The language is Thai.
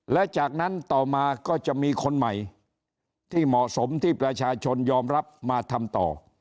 และจากนั้นต่อมาก็จะมีคนใหม่ที่เหมาะสมที่ประชาชนยอมรับมาทำต่อ